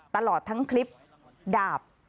ตลอดทั้งคลิปดาบ